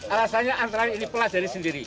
alasannya antara ini pelas dari sendiri